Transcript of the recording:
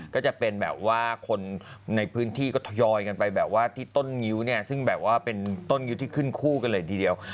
ก็จะเป็นแบบว่าคนในพื้นที่ก็ทยอยกันไปแบบว่าที่ต้นงิ้วเนี่ยซึ่งแบบว่าเป็นต้นงิ้วที่ขึ้นคู่กันเลยทีเดียว